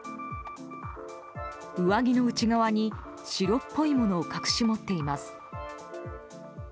上着の内側に白っぽいものを隠し持っています。